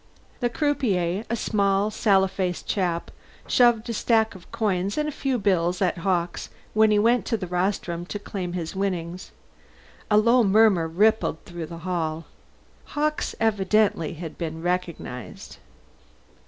The croupier, a small, sallow faced chap, shoved a stack of coins and a few bills at Hawkes when he went to the rostrum to claim his winnings. A low murmur rippled through the hall; Hawkes had evidently been recognized.